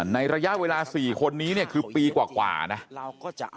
ในระยะเวลา๔คนนี้เนี่ยคือปีกว่านะ